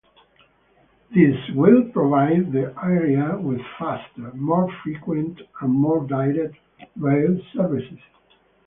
This will provide the area with faster, more frequent and more direct rail services.